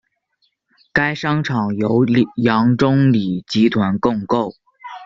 该商场由杨忠礼集团共构。